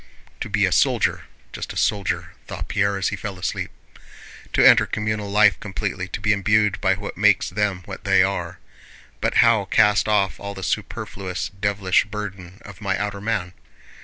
"To be a soldier, just a soldier!" thought Pierre as he fell asleep, "to enter communal life completely, to be imbued by what makes them what they are. But how to cast off all the superfluous, devilish burden of my outer man?